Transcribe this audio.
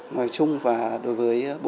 ngoài chung và đối với bộ phận một cửa